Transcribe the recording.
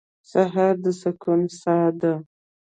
سهار د سکون ساه ده.